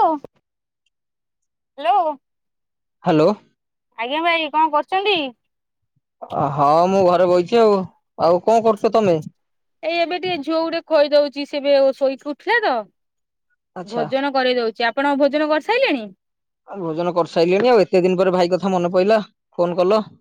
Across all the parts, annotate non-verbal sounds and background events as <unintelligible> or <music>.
Hello. Hello. ଆଜ୍ଞା ଭାଇ କଁ କରୁଚନ୍ତି। ହଁ ମୁଁ ଘରେ ବଇଚି ଆଉ। ଆଉ କଣ କରୁଛ ତମେ? ଏଇ ଏବେ ଟିକେ ଝିଅକୁ ଟିକେ ଖୋଇଦୋଉ ଚି ସିଏ ଏବେ ଶୋଇକି ଉଠିଲାତ ଆଚ୍ଛା ଭୋଜନ କରେଇ ଦୋଉଚି ଆ ପଣ ଭୋଜୋନୋ କରିସାଇଲେଣି। ଆଉ ଭୋଜନ କରିସାରିଲିଣି ଆଉ ଏତେ ଦିନ ପରେ ଭାଇ କଥା ମନେ ପଇିଲା।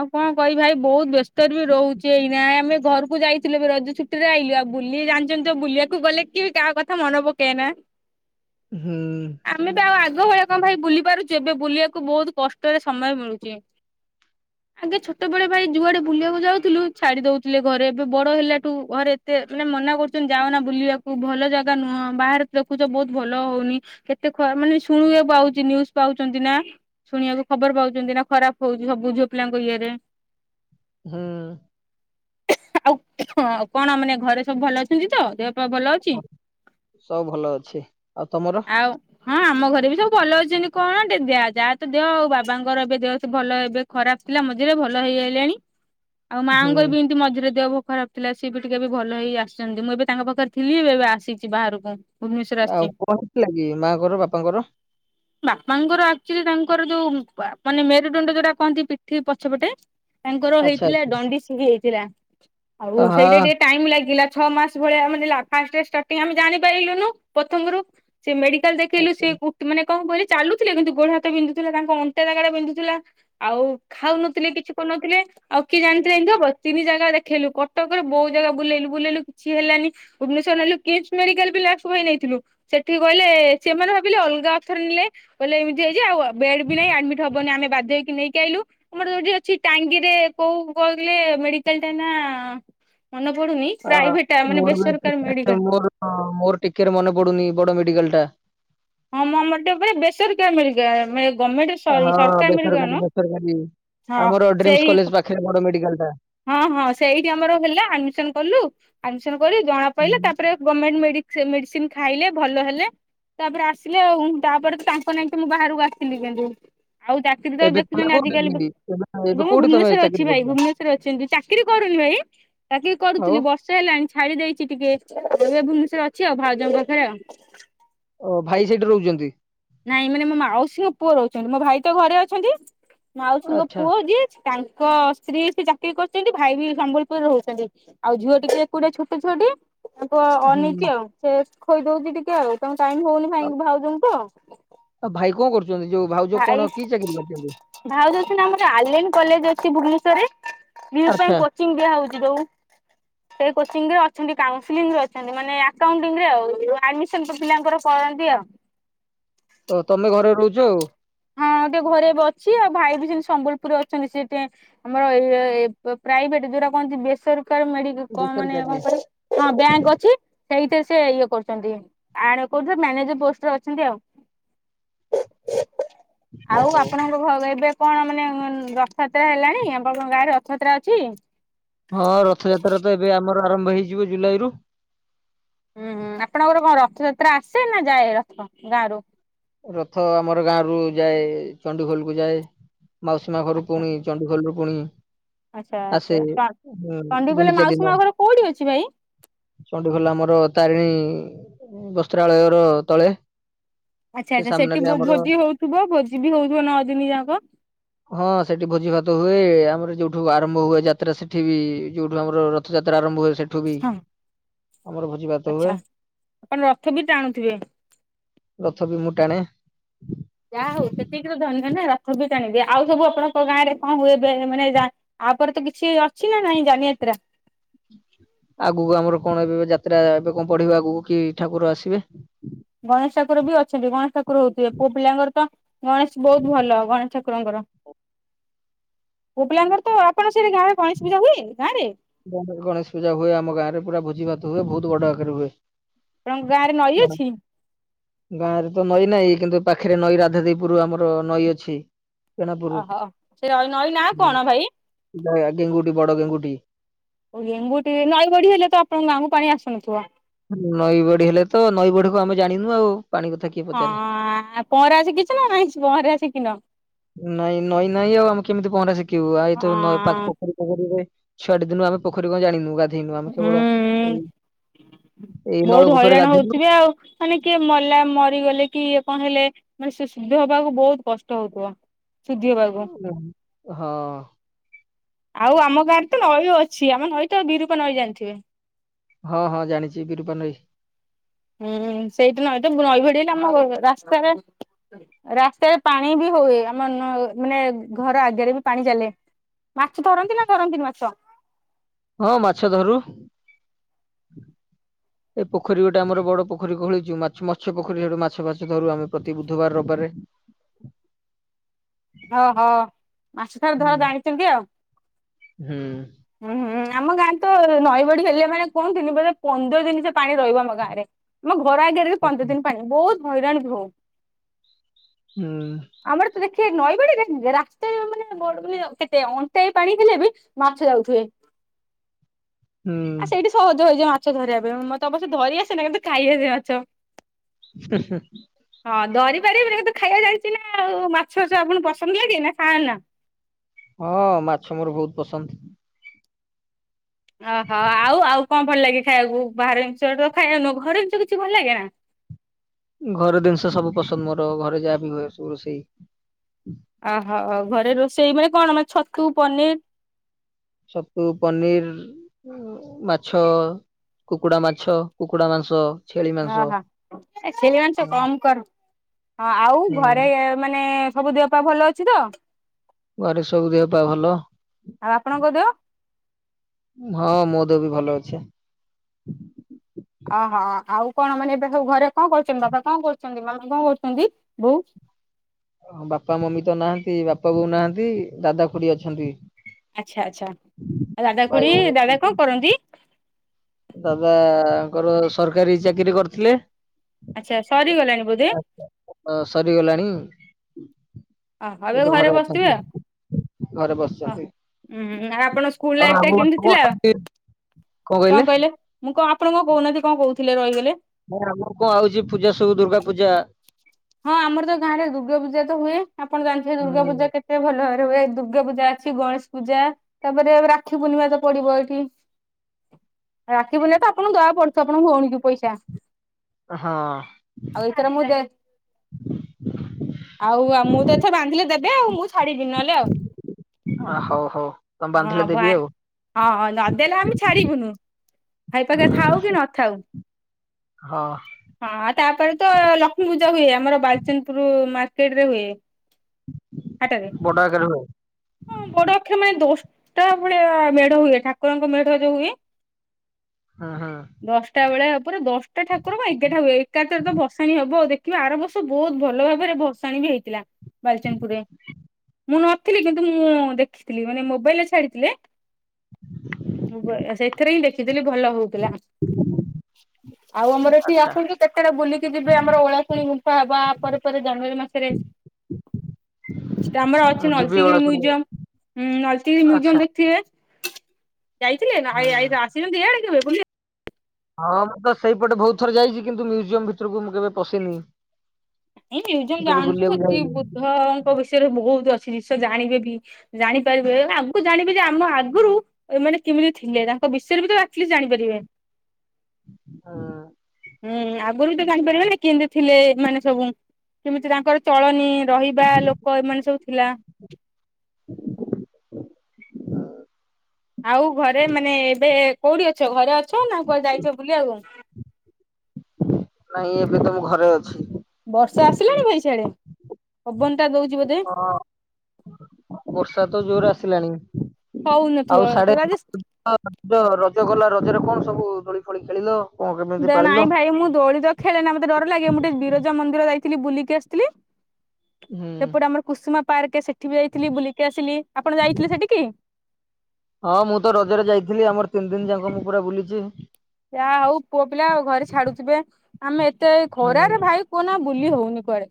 ଆଉ କଁ କହିବି ଭାଇ ବୋହୁତ ବ୍ୟସ୍ତରେ ବି ରୋହୁଚି ଏଇନା ଆମେ ଘରକୁ ଯାଇଥିଲୁ ଏବେ ରଜ ଛୁଟିରେ ଆଇଲୁ ଆଉ ବୁଲି ଜାଣିଚନ୍ତି ତ ଆଉ ବୁଲିବାକୁ ଗଲେ କିଏ କାହା କଥା ମନ ପକେଏନା। ହୁଁ ଆମେ ପା ଆଉ ଆଗ ଭଳିଆ କଁ ଭାଇ ବୁଲିପାରୁଚୁ ଏବେ ବୁଲିବାକୁ ବୋହୁତ କଷ୍ଟରେ ସମୟ ମିଳୁଚି। ଆଗେ ଛୋଟୋ ବେଳେ ଭାଇ ଯୁଆଡେ ବୁଲିବାକୁ ଯାଉଥିଲୁ ଛାଡି ଦୋଉଥିଲେ ଘରେ ଏବେ ବଡ ହେଲାଠୁ ଘରେ ଏତେ ମାନେ ମନା କରୁଚନ୍ତି ଯାଅନା ବୁଲିବାକୁ ଭଲ ଜାଗା ନୁହଁ ବାହାରେ ତ ଦେଖୁଚ ବୋହୁତ ଭଲ ହୋଉନି କେତେ ଖ ମାନେ ଶୁଣୁୟାକୁ ପାଉଚି ନିୟୁଜ୍ ପାଉଚନ୍ତି ନା ଶୁଣିବାକୁ ଖବର ପାଉଚନ୍ତି ନା ଖରାପ ହୋଉଚି ସବୁ ଝି ପିଲାଙ୍କୁ ଇଏରେ ହୁଁ। ଆଉ ହଁ ଆଉ କଣ ମାନେ ଘରେ ସବୁ ଭଲ ଅଛନ୍ତି ତ ଦେହପା ଭଲ ଅଛି। ସବୁ ଭଲ ଅଛି ଆଉ ତମର ଆଉ ହଁ ଆମ ଘରେ ବି ସବୁ ଭଲ ଅଛନ୍ତି। କଣଟି ଦେଆ ଯାହା ତ ଦେହ ଆଉ ବାବାଙ୍କର ଏବେ ଦେହ ଏତେ ଭଲ ଏବେ ଖରାପ ଥିଲା ମଝିରେ ଭଲ ହେଇଆଇଲାଣି ଆଉ ହୁଁ ମାଆଙ୍କର ବି ଇନ୍ତି ମଝିରେ ଦେହ ଭୋ ଖରାପ ଥିଲା। ସିଏ ବି ଟିକେ ଏବେ ଭଲ ହେଇ ଆସିଛନ୍ତି ମୁଁ ଏବେ ତାଙ୍କ ପାଖରେ ଥିଲି ଏବେ ଏବେ ଆସିଚି ବାହାରୁକୁ। ଆଉ କଣ ହେଇଥିଲା କି ମାଆଙ୍କର ବାପାଙ୍କର। ବାପାଙ୍କର ଆକ୍ଚୋଲି ତାଙ୍କର ଯୋଉ ବା ମାନେ ମେରୁଡଣ୍ଡ ଯୋଉଟା କହନ୍ତି ପିଠି ପଛପଟେ। ତାଙ୍କର ଆଚ୍ଛା ହେଇଥିଲା ଆଚ୍ଛା ଡଣ୍ଡିସ୍ ହେଇଯାଇଥିଲା ଆଉ ସେଇଡ଼ା ଟିକେ ହଁ ଟାଇମ ଲାଗିଲା। ଛଅ ମାସ ଭଳିଆ ମାନେ ଲା ଫାର୍ଷ୍ଟ ଷ୍ଟାଟିଙ୍ଗି ଆମେ ଜାଣିପାଇଲୁନୁ ପଥମରୁ ସିଏ ମେଡି ଟାଲ୍ ଦେଖେଇଲୁ ସେ କୁ ମାନେ କଁ କହିଲେ ଚାଲୁଥିଲେ କିନ୍ତୁ ଗୋଡୋ ହାତ ବିନ୍ଧୁଥିଲା ତାଙ୍କ ଅନ୍ଟା ଜାଗାଟା ବିନ୍ଧୁଥୁଲା। ଆଉ ଖାଉନଥିଲେ କିଛି କରୁନଥିଲେ ଆଉ କିଏ ଜାଣିଥିଲେ ଏନ୍ତି ହବ ତିନି ଜାଗା ଦେଖେଇଲୁ କଟକର ବୋହୁଉ ଜା ଗା ବୁଲେଇଲୁ ବୁଲେଇଲୁ କିଛି ହେଲାନି ଭୁବନେଶ୍ୱର ନେଲୁ କିମ୍ସ ମେଡିକାଲ୍ ବି ଲାଷ୍ଟ ପାଇଁ ନେଇଥିଲୁ ସେଠୀ କହିଲେ ଚେମାନେ ଭାବିଲେ ଅଲଗା ଅର୍ଥରେ ନେଲେ କହିଲେ ଏମିତି ହେଇଚି ଆଉ ବେଡ ବି ନାଇଁ ଆଡମିଟ୍ ହବନି ଆମେ ବାଧ୍ୟ ହେକି ନେଇ କି ଆଇଲୁ ଆମର ଯୋଉଠି ଅଛି ଟାଙ୍ଗିରେ କୋଉ କହିଲେ ମେଡିକାଲଟା ନାଁ। ଆଁ ମୋରୋ ବି ଟିକେଟ ଟା ମେଡିକାଲ ମୋରୋ ମୋରୋ ଟିକେରେ ମନେ ପଡୁନି ବଡ ମେଡିକାଲ ଟା। ହଁ <unintelligible> ବେଶରିକାର୍ ମେଡିକାଲ୍ ମେ ହଁ ବେସରକାରୀ ବେସରକାରୀ ହଁ ଆମର ସେଇ ଡ୍ରିମ୍ସ କଲେଜ ପାଖରେ ବଡ ମେଡିକାଲ ଟା। ହଁ ହଁ ସେଇଠି ଆମର ହେଲା ଆଡମିଶନ୍ କଲୁ ଆଡମିଶନ୍ କରି ଜଣାପାଇଲା ତାପରେ ଗମେଣ୍ଟ ମେଡି ସେ ମେଡିସିନ୍ ଖାଇଲେ ଭଲ ହେଲେ। ତାପରେ ଆସିଲେ ଆଉ ତାପରେ ତ ତାଙ୍କ ନେଇକି ମୁଁ ବାହାରକୁ ଆସିଥିଲି କିନ୍ତୁ। ଆଉ ଚାକିରି ତ ଏବେ ତମେ ଦେଖୁଚନ୍ତି ଆଜିକାଲି କୋଉଠି ଏବେ ମୁଁ କୋଉଠି ତମେ ଭୁବନେଶ୍ଵର ଅଛି ଚାକିରି ଭାଇ କରୁଛ ଭୁବନେ ରେ ଅଛନ୍ତି ଚାକିରି କରୁନି ଭାଇ ଚାକିରି ଆଉ କରୁଥିଲି ବର୍ଷ ହେଲାଣି ଛାଡି ଦେଇଚି ଟିକେ ଭୁବନେଶ୍ଵର ଅଛି ଆଉ ଭାଉଜଙ୍କ ପାଖରେ ଆଉ ଓଁ ଭାଇ ସେଇଠି ରୋହୁଚନ୍ତି। ନାଇଁ ମାନେ ମୋ ମାଉସୀଙ୍କ ପୁଅ ରୋହୁଚନ୍ତି ମୋ ଭାଇ ତ ଘରେ ଅଛନ୍ତି ମାଉସୀଙ୍କ ଆଚ୍ଛା। ପୁଅ ଯିଏ ତାଙ୍କ ସ୍ତ୍ରୀ ସେ ଚାକିରି କରୁଛନ୍ତି ଭାଇ ବି ସମ୍ବଲପୁରରେ ରହୁଛନ୍ତି ଆଉ ଝିଅ ଟିକେ ଏକୁଟିଆ ଛୋଟ ଝିଅଟିଏ। ତୁ ହୁଁ ଅନେଇଛିି ଆଉ ସେ ଖୋଇଦଉଛି ଟିକେ ଆଉ ତଙ୍କୁ ଟାଇମ ହଉନି ଆଉ ଭାଇ ଭାଉଜଙ୍କୁ ତ। ଆଉ ଭାଇ କଣ କରୁ ଭାଇ ଭାଉଜ ଅଛନ୍ତି ଆମର ଆଲିନ କଲେଜ ଅଛି ଭୁବନେ ଶ୍ୱରରେ ନୀଟ ପାଇଁ ଆଚ୍ଛା। କୋଚିଂ ଦିଆ ହଉଚି ଯୋଉ। କୋଚିଂରେ ଅଛନ୍ତି କାଉନସିଲିଂରେ ଅଛନ୍ତି ମାନେ ଆକାଉଣ୍ଟିରେ ଆଉ ଆଡମିସନ୍ ପିଲାଙ୍କର କରନ୍ତି ଆଉ। <inaudible> ଓ ତମେ ଘରେ ରହୁଛ ଆଉ। ହୁଁ। ହଁ ଟିକେ ଘରେ ଏବେ ଅଛି ଆଉ ଭାଇ ବି ସେମିତି ସମ୍ବଲପୁରରେ ଅଛନ୍ତି ସେଥିପାଇଁ ଆମର ପ୍ରାଇଭେଟି ଯଉ ଟା କୁହନ୍ତି ବେସରକାରୀ ମେଡି କଣ ମାନେ ହଁ ବେସରକାରୀରେ ବ୍ୟାଙ୍କ ଅଛି। ସେଇଥିରେ ସେ ଇଏ କରୁଛନ୍ତି ଆଡ କରୁଛନ୍ତି ମ୍ୟାନେଜର ପୋଷ୍ଟରେ ଅଛନ୍ତି ଆଉ। ଆଉ ଓହୋ। ଆପଣଙ୍କ ଘରେ ଏବେ କଣ ମାନେ ରଥଯାତ୍ରା ହେଲାଣି ଆମ ଗାଁରେ ରଥଯାତ୍ରା ଅଛି? ହଁ ରଥଯାତ୍ରା ତ ଏବେ ଆମର ଆରମ୍ଭ ହେଇଯିବ ଜୁଲାଇରୁୁ। ହୁଁ, ହୁଁ ଆପଣଙ୍କର କଣ ରଥଯାତ୍ରା ଆସେ ନା ଯାଏ ରଥ ଗାଁରୁ? ରଥ ଆମର ଗାଁରୁ ଯାଏ ଚଣ୍ଡିଖୋଲକୁ ଯାଏ। ମାଉସୀ ମା ଘରୁ ପୁଣି ଚଣ୍ଡୁଖୋଲରୁ ପୁଣି ଆଚ୍ଛା, ଆସେ ଆଚ୍ଛା ହୁଁ ଚଣ୍ଡିଖୋଲରେ ଗୁଣ୍ଡିଚା ଦିନ ମାଉସୀ ମା ଘର କୋଉଠି ଅଛି ଭାଇ? ଚଣ୍ଡିଖୋଲ ଆମର ତାରିଣୀ ବସ୍ତ୍ରାଳୟର ତଳେ। ଆଚ୍ଛା, ସେ ଆଚ୍ଛା ସେଠି ସାମ୍ନାରେ ଆମର ଭୋଜି ହଉଥିବ ଭୋଜି ବି ହଉଥିବ ନଅ ଦିନି ଯାକ। ହଁ ସେଠି ଭୋଜି ଭାତ ହୁଏ ଆ ଆମର ଯୋଉଠୁ ଆରମ୍ଭ ହୁଏ ଯାତ୍ରା ସେଠି ବି ଯୋଉଠୁ ଆମର ରଥଯାତ୍ରା ଆରମ୍ଭ ହୁଏ ସେଠୁ ବି ହଁ ଆମର ଭୋଜି ଭାତ ଆଚ୍ଛା। ହୁଏ। ଆପଣ ରଥ ବି ଟାଣୁଥିବେ? ରଥ ମୁଁ ଟାଣେ। ମାନେ ରଥ ବି ଟାଣିବି ଆଉ ସବୁ ଆପଣଙ୍କ ଗାଁରେ କଣ ହୁଏ ଏବେ ମାନେ ଜା ଆପରେ ତ କିଛି ଅଛି ନା ନାଇଁ? ଜନିଯାତ୍ରା। ଆଗକୁ ଆମର କଣ ଏବେ ଯାତ୍ରା ଏବେ କଣ ପଢିବ ଆଗକୁ କି ଠାକୁର ଆସିବେ? ଗଣେଶ ଠାକୁର ବି ଅଛନ୍ତି ଗଣେଶ ଠାକୁର ହଉଥିବେ ପୁଅ ପିଲାଙ୍କର ତ ଗଣେଶ ବହୁତ ଭଲ ଗଣେଶ ଠାକୁରଙ୍କର। ପୁଆପିଲାଙ୍କର ତ ଆପଣ ସେଇଠି ଗାଁରେ ଗଣେଶ ପୂଜା ହୁଏ ଗାଁରେ? ଗ ଗଣେଶ ପୂଜା ହୁଏ ଆମ ଗାଁରେ ପୁରା ଭୋଜି ଭାତ ହୁଏ ବହୁତ ବଡ ଆକାରରେ ହୁଏ। ଆପଣଙ୍କ ଗାଁରେ ନଈ ଅଛି? ଗାଁରେ ତ ନଈ ନାହିଁ, କିନ୍ତୁ ପାଖରେ ନଈ ରାଧାଦିପୁରୁ ଆମର ନଈ ଅଛି। କେନାପୁର ଓହୋ ସେ ନଈ ନଈ ନାଁ କଣ ଭାଇ? ଗେଙ୍ଗୁଟି, ବଡ ଗେଙ୍ଗୁଟି। ଗେଙ୍ଗୁଟି ନଈ ବଢ଼ି ହେଲେ ତ ଆପଣଙ୍କ ଗାଁକୁ ପାଣି ଆସୁନଥିବ? ନଈ ବଢ଼ି ହେଲେ ତ ନଈ ବଢ଼ି କଣ ଆମେ ଜାଣିନୁ ଆଉ। ପାଣି କଥା କିଏ ହଁ ପଚାରେ। ଆ ପହଁରା ଶିଖିଛନ୍ତି ନାଇଁ ପହଁରା ସିକିନ? ନାଇଁ ନଈ ନାଇଁ ଆଉ ଆମେ କେମିତି ପହଁରା ଶିଖିବୁ? ଆଇ ତ ପାଖ ହଁ ପୋଖରୀ ଫୋକରୀରେ ଛୁଆଟି ଦିନରୁ ଆମେ ପୋଖରୀ କଣ ଜାଣିନୁ। ଗା ଧେନୁ ଆମେ କେବଳ ହୁଁ ଏଇ ଏଇ ବହୁତ ନଳକୂପରେ ହଇରାଣ ଗାଧେଇଲୁ। ହଉଥିବେ ଆଉ ମାନେ କିଏ ମଲା ମରିଗଲେ କି ଇଏ କଣ ହେଲେ ମାନେ ସେ ଶୁଦ୍ଧ ହବାକୁ ବହୁତ କଷ୍ଟ ହଉଥିବ। ଶୁଦ୍ଧି ହବାକୁ ହଁ। ଆଉ ଆମ ଗାଁରେ ତ ନଈ ଅଛି। ଆମେ ନଈ ତ ବିରୂପା ନଈ ଜାଣିଥିବେ। ହଁ, ହଁ ଜାଣିଛି ବିରୂପା ନଈ। ହୁଁ, ହୁଁ ସେଇଠି ନଈ ତ, ନଈ ବଢ଼ୀ ହେଲେ ଆମ ରାସ୍ତାରେ ରାସ୍ତାରେ ପାଣି ବି ହୁଏ ଆମ ନ ମାନେ ଘର ଆଗରେ ବି ପାଣି ଚାଲେ। ମାଛ ଧରନ୍ତି ନା ଧରନ୍ତି ନି ମାଛ? ହଁ ମାଛ ଧରୁ। ଏ ପୋଖରୀ ଗୋଟେ ଆମର ବଡ ପୋଖରୀ ଖୋଳିଛୁ ମାଛ ମତ୍ସ୍ୟ ପୋଖରୀ ସେଇଟୁ ମାଛ ଫାଛ ଧରୁ ଆମେ ପ୍ରତି ବୁଧବାର ରବିବାର ଧରେ। ଓହୋ ମାଛ ତାହେଲେ ଧରା ହୁଁ ଜାଣିଚନ୍ତି ଆଉ। ହୁଁ ହୁଁ ହୁଁ। ଆମ ଗାଁ ରେ ତ ନଈବଢି ହେଲେ ମାନେ କୁହନ୍ତିନି ବୋଇଲେ ପନ୍ଦର ଦିନି ସେ ପାଣି ରହିବ ଆମ ଗାଁରେ। ଆମ ଘର ଆଗରେ ବି ପନ୍ଦର ଦିନି ପାଣି ବହୁତ ହଇରାଣ ବି ହଉ। ହୁଁ। ସେ ନଈବଢିରେ ରାସ୍ତାରେ ମାନେ ବଡ ମାନେ କେତେ ଅଣ୍ଟାଏ ପାଣି ହେଲେ ବି ମାଛ ଯାଉଥିବେ। ହୁଁ ଆଉ ସେଇଠି ସହଜ ହେଇଯିବ ମା ଛ ଧରିଆ ପାଇଁ ମତେ ଅବଶ୍ୟ ଧରି ଆସେନା କିନ୍ତୁ ଖାଇ ଆସେ ମାଛ। ହୁଁ ହୁଁ। ହଁ ଧରି ପାରିବିନି କିନ୍ତୁ ଖାଇବା ଜାଣିଚି ନା ଆଉ ମାଛ ସ ଆପଣଙ୍କୁ ପସନ୍ଦ ଲାଗେ ନା ଖାଅନା? ହଁ ମାଛ ମୋର ବହୁତ ପସନ୍ଦ। ଅହୋ ଆଉ ଆଉ କଣ? ଭଲ ଲାଗେ ଖାଇଆକୁ ବାହାର ଜିନିଷ ତ ଖାଇବା ନୁହଁ ଘର ଜିନିଷ କିଛି ଭଲ ଲାଗେ ନା? ଘରେ ଜିନିଷ ସବୁ ପସନ୍ଦ ମୋର ଘରେ ଯାହା ବିି ହୁଏ ସବୁ ରୋଷେଇ। ଅହୋ ହଉ ଘରେ ରୋଷେଇ ମାନେ କଣ ମାନେ ଛତୁ ପନିର୍? ଛତୁ, ପନିର୍, ଉ ମାଛ। କୁକୁଡା ମାଛ କୁକୁଡା ମାଂସ। ଛେଳି ମାଂସ ହଁ ହଁ ଏଇ ଛେଳି ମାଂସ କମ କର। ହଁ ଆଉ ହୁଁ ଘରେ ମାନେ ସବୁ ଦେହ ପାହ ଭଲ ଅଛି ତ? ଘରେ ସବୁ ଦେହ ପାହ ଭଲ। ଆଉ ଆପଣଙ୍କ ଦେହ ହଁ ମୋ ଦେହ ବି ଭଲ ଅଛି। ଅହୋ ଆଉ କଣ ମାନେ ଏବେ ସବୁ ଘରେ କଣ କରୁଚନ୍ତି ବାବା କଣ କରୁଚନ୍ତି ମାମା କଣ କରୁଚନ୍ତି ବୋଉ? ହଁ ବାପା ମମି ତ ନାହାଁନ୍ତି। ବାପା ବୋଉ ନାହାଁନ୍ତି। ଦାଦା ଖୁଡି ଅଛନ୍ତି। ଆଚ୍ଛା ଆଚ୍ଛା ଆଉ ଦାଦା ଭାଇ ଖୁଡି ଭଉଣୀ ଦାଦା ଅଛନ୍ତି କଣ କରନ୍ତି? ଦାଦାଙ୍କର ସରକାରୀ ଚାକିରି କରଥିଲେ। ଆଚ୍ଛା ସରିଗଲାଣି ବୋଧେ ଅଁ ସରିଗଲାଣି। ଏବେ ଘରେ ଅଛନ୍ତି। ଘରେ ଆଉ ବସିଛନ୍ତି। ଉଁ ହୁଁ ଆଉ ଆପଣ ସ୍କୁଲ ଲାଇଫ ହଁ ଟା ଆମ ଘରେ କେମିତି ସବୁ ଥିଲା ଅଛନ୍ତି କଣ କହିଲେ? ମୁଁ କଣ ଆପଣ କଣ କହୁନାହାନ୍ତି କଣ କହୁଥିଲେ ରହିଗଲେ। ନା ମୁଁ କହୁଚି ପୂଜା ସବୁ ଦୁର୍ଗା ପୂଜା। ହଁ ଆମର ତ ଗାଁରେ ଦୁର୍ଗା ପୂଜା ତ ହୁଏ ଆପଣ ଜାଣିଥିବେ ଦୁର୍ଗା ହୁଁ ପୂଜା କେତେ ଭଲ <unintelligible> ହୁଏ ଦୁର୍ଗା ପୂଜା ଅଛି ଗଣେଶ ପୂଜା ତାପରେ ରାକ୍ଷୀ ପୂର୍ଣ୍ଣିମା ତ ପଡିବ ଏଇଠି। ରାକ୍ଷୀ ପୂର୍ଣ୍ଣିମା ତ ଆପଣଙ୍କୁ ଦବାକୁ ପଡୁଥିବ ଆପଣଙ୍କ ଭଉଣୀ କୁ ପଇସା। ଆଉ ଏଥର ମୁଁ ଦେ ହଁ। ଆଉ ଆଉ ମୁଁ ତ ଏଥର ବାନ୍ଧିଲେ ଦେବେ ଆଉ ମୁଁ ଛାଡିବି ନହେଲେ ଆଉ। ହଉ ହଉ ତମେ ବାନ୍ଧିଲେ ହଁ ଭା ଦେବି ଆଉ ହଁ ନଦେଲେ ଆମେ ଛାଡିବୁନୁ। ଭାଇ ପାଖେ ହୁଁ ଥାଉ କି ନଥାଉ। ହଁ ହଁ ତାପରେ ତ ଲକ୍ଷ୍ମୀ ପୂଜା ହୁଏ ଆମର ବାଲଚାନ୍ଦପୁର ମାର୍କେଟ ରେ ହୁଏ। ହାଟରେ ବଡ ଆକାରେ ହୁଏ। ହଁ ବଡ ଆକ୍ଷେରେ ମାନେ ଦଶଟା ଭଳିଆ ମେଢ ହୁଏ ଠାକୁରଙ୍କ ମେଢ ଯୋଉ ହୁଏ। ହୁଁ ହୁଁ ଦଶଟା ଭଳିଆ। ପୁରା ଦଶଟା ଠାକୁର କଣ ଏଗାରେଟା ହୁଏ ଏକାଥରେ ତ ଭସାଣି ହବ ଆଉ ଦେଖିବ ଆର ବର୍ଷ ବହୁତ ଭଲ ଭାବରେ ଭସାଣୀ ବି ହେଇଥିଲା ବାଲଚାନ୍ଦପୁରରେ। ମୁଁ ନଥିଲି କିନ୍ତୁ ମୁଁ ଦେଖିଥିଲି ମାନେ ମୋବାଇଲ ରେ ଛାଡିଥିଲେ ମୋବା ଏ ସେଥିରେ ହିଁ ଦେ ଥିଲି ଭଲ ହଉଥିଲା। ହ ଆଉ ଆମର ଏଠି ଆସନ୍ତୁ କେତେବେଳେ ବୁଲିକି ଯିବେ? ଆମର ଓଳାଶୁଣି ଗୁମ୍ଫା ବା ପରେ ପରେ ଜାନୁଆରୀ ମାସରେ <unintelligible> ଅଛି ମୁଁ ନ ଯିବି ଏଗୁଡା ଲଳିତଗିରି ସବୁ ମ୍ୟୁଜିୟମ୍, ଲଳିତଗିରି ଆଚ୍ଛା ମ୍ୟୁଜିୟମ୍ ଦେଖିଥିବେ? ଯାଇଥିଲେ ନା ହୁଁ ଆଇ - ଆଇ - ଆସିନାହାନ୍ତି, ଇଆଡ଼େ କେବେ ବୁଲି? ହଁ ମୁଁ ତ ସେଇପଟେ ବହୁତ ଥର ଯାଇଛି, କିନ୍ତୁ ମ୍ୟୁଜିୟମ ଭିତରକୁ ମୁଁ କେବେ ପସିନି। ଏ ମ୍ୟୁଜିୟମ ଯାଆନ୍ତୁ, ସେଠି ବୁଦ୍ଧଙ୍କ ବିଷୟରେ ବହୁତ ଅ <unintelligible> ଜିନିଷ ଜାଣିବେ ବି ଜାଣିପାରିବେ, ଆଗକୁ ଜାଣିବେ ଯେ ଆମ ଆଗରୁ ଏମାନେ କେମିତି ଥିଲେ? ତାଙ୍କ ବିଷୟରେ ବି ତ ଆଟଲିଷ୍ଟ ଜାଣିପାରିବେ। ହଁ। ହୁଁ ଆଗରୁ ବି ତ ଜାଣିପାରିବେ ନା କେମିତି ଥିଲେ ଏମାନେ ସବୁ, କେମିତି ତାଙ୍କର ଚଳନୀ? ରହିବା ଲୋକ ଏମାନେ ସବୁ ଥିଲା। ଆଉ ଘରେ ମାନେ ଏବେ କୋଉଠି ଅଛ? ଘରେ ଅଛ ନା କୁଆଡେ ଯାଇଛ ବୁଲିବାକୁ? ନାଇଁ ଏବେ ତ ମୁଁ ଘରେ ଅଛି। ବର୍ଷା ଆସିଲାଣି ଭାଇ ସିଆଡେ? ପବନ ଟା ଦଉଛି ବୋଧେ ହଁ ବର୍ଷା ତ ଜୋର ଆସିଲାଣି। ହଉନଥିବ ଆଉ ସାଢ଼େ <unintelligible> ରଜ ଗଲା, ରଜରେ କଣ ସବୁ ଦୋଳି ଫୋଳି ଖେଳିଲ? କଣ କେମିତି ଦେ ପାଳିଲ? ନାଇଁ ଭାଇ ମୁଁ ଦୋଳି ତ ଖେଳେ ନା ମତେ ଡର ଲାଗେ, ମୁଁ ଟିକେ ବିରଜା ମନ୍ଦିର ଯାଇଥିଲି ବୁଲିକି ଆସିଥିଲି। ହୁଁ ସେପଟେ ଆମର କୁସୁମ ପାର୍କ, ସେଠି ବି ଯାଇଥିଲି ବୁଲିକି ଆସିଲି। ଆପଣ ଯାଇଥିଲେ ସେଠିକି? ହଁ- ମୁଁ ତ ରଜରେ ଯାଇଥିଲି, ଆମର ତିନି ଦିନ ଯାକ ମୁଁ ପୁରା ବୁଲିଛି। ଯା ହଉ ପୁଅ ପିଲା ଆଉ ଘରେ ଛାଡୁଥିବେ। ଆମେ ଏତେ ଆଉ ହୁଁ ଖରାରେ ଭାଇ କୁହନା ବୁଲି ହଉନି କୁଆଡେ?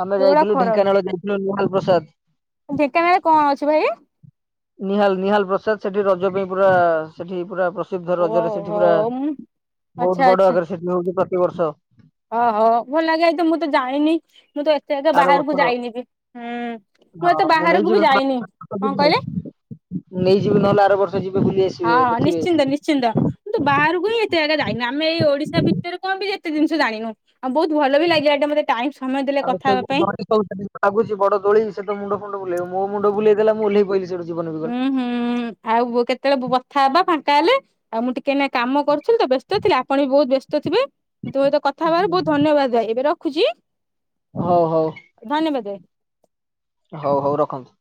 ଆମେ ଯୋଉ ଭଳିଆ ଯାଇଥିଲୁ ଖରା ହଉଛି, ଢେଙ୍କାନାଳ ଯାଇଥିଲୁ ନିହାଳ ପ୍ରସାଦ ଢେଙ୍କାନାଳରେ କଣ ଅଛି ଭାଇ? ନିହାଲ ନିହାଲ ପ୍ରସାଦ ସେଠି, ରଜ ପାଇଁ ପୁରା ସେଠି ପୁରା ପ୍ର ସିଦ୍ଧ ରଜରେ ସେଠି ଓହୋ ପୁରା, ବହୁତ ବଡ ଆକାରରେ ସେଠି ହଉଛି ପ୍ରତିବର୍ଷ। ଓ ହୋ ଭଲ ଲାଗେ, ଏଇ ତ ମୁଁ ତ ଜାଣିନି? ମୁଁ ତ ଏତେ ଏକେ ଆର ବାହାରକୁ ବର୍ଷ ଯାଇନି ବି। ମୁଁ ଏତେ ବାହାରକୁ ବି ଯାଇନି, କଣ କହିଲେ? ନେଇଯିବୁ ନହେଲେ ଆର ବର୍ଷ ଯିବି ବୁଲି ଆସି ହଁ- ହଁ ନିଶ୍ଚିନ୍ତ ନିଶ୍ଚିନ୍ତ, କିନ୍ତୁ ବାହାରକୁ ହିଁ ଏତେ ଜାଗା ଯାଇନୁ। ଆମେ ଏଇ ଓଡିଶା ଭିତରେ କଣ ବି ଯା କେତେ ଜିନିଷ ଜାଣିନୁ? ଆଉ ବହୁତ ଭଲ ବି ଲାଗିଲା ଏଇଟା ମତେ ଟାଇମ ସମୟ ଦେଲେ ଆଉ କଥା ସେ ହେବା ପାଇଁ <unintelligible> ଲାଗୁଛି ବଡ ଦୋଳି ସେ ତ ମୁଣ୍ଡ ଫୁଣ୍ଡ ବୁଲେଇବ ମୋ ମୁଣ୍ଡ ବୁଲେଇ ଦେଲା, ମୁଁ ଓଲ୍ହେଇ ପଇଲି ସେଠୁ। ଜୀବନ ବିକଳ ଉୁଁ -ହୁଁ ଆଉ କେତେବେଳେ କଥା ହବା ଫାଙ୍କା ହେଲେ? ଆଉ ମୁଁ ଟିକେ କାଇଁ ନା କାମ କରୁଥିଲି ତ ବ୍ୟସ୍ତ ଥିଲି, ଆପଣ ବି ବହୁତ ବ୍ୟସ୍ତ ଥିବେ। ତୁମେ ତ କଥାହବାରୁ ବହୁତ ଧନ୍ୟବାଦ ଭାଇ ଏବେ ର ଖୁଛି ହଉ ହଉ ଧନ୍ୟବାଦ ଭାଇ। ହଉ ହଉ ରଖନ୍ତୁ।